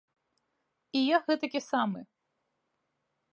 І я гэтакі самы.